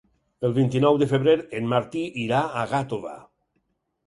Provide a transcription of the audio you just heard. El vint-i-nou de febrer en Martí irà a Gàtova.